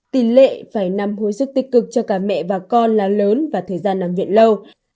tỷ lệ phải nằm hồi sức tích cực cho cả mẹ và con là lớn và thời gian nằm viện lâu